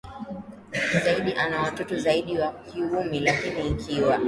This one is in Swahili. zaidi ana watoto zaidi wa kiume Lakini ikiwa